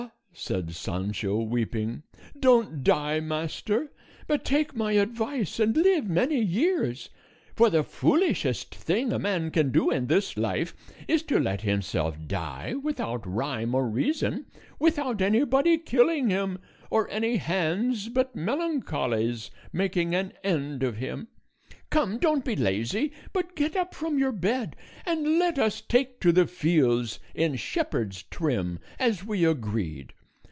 said Sancho weeping; "don't die, master, but take my advice and live many years; for the foolishest thing a man can do in this life is to let himself die without rhyme or reason, without anybody killing him, or any hands but melancholy's making an end of him. Come, don't be lazy, but get up from your bed and let us take to the fields in shepherd's trim as we agreed.